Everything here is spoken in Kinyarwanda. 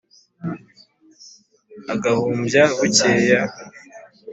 agahumbya bukeya